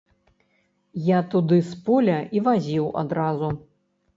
Я туды з поля і вазіў адразу.